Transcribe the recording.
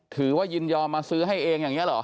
ยินยอมมาซื้อให้เองอย่างนี้เหรอ